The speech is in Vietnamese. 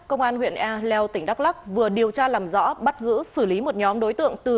công an huyện e leo tỉnh đắk lắc vừa điều tra làm rõ bắt giữ xử lý một nhóm đối tượng từ